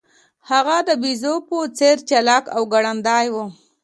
هغه د بیزو په څیر چلاک او ګړندی و.